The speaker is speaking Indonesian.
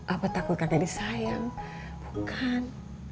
atau takut kagak disayang bukan